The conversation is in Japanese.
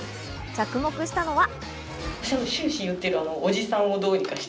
着目したのは。